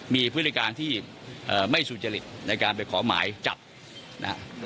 มีพฤติการที่ไม่สุจริตในการไปขอหมายจับนะครับ